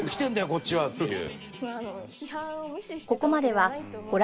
こっちは！」っていう。